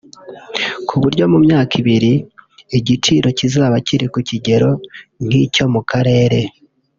ku buryo mu myaka ibiri igiciro bizaba biri ku kigero nk’icyo mu Karere